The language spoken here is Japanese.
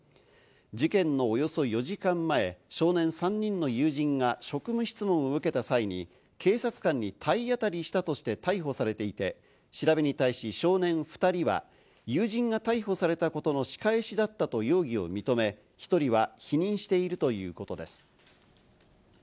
事件のおよそ４時間前、少年３人の友人が職務質問を受けた際に警察官に体当たりしたとして逮捕されていて、調べに対し少年２人は友人が逮捕されたことの仕返しだったと容疑を認め、１人は否認しているということです。